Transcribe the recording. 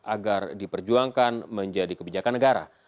agar diperjuangkan menjadi kebijakan negara